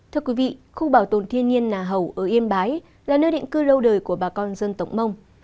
thưa quý vị khu bảo tồn thiên nhiên nà hầu ở yên bái là nơi định cư lâu đời của bà con dân tộc mông